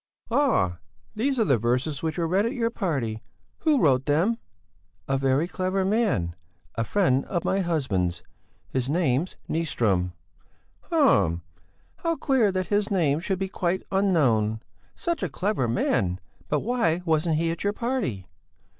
"Ah! These are the verses which were read at your party! Who wrote them?" "A very clever man, a friend of my husband's. His name's Nyström." "Hm! How queer that his name should be quite unknown! Such a clever man! But why wasn't he at your party?"